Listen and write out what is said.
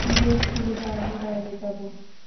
Gate খুলে দাও, আমি বাইরে যাব!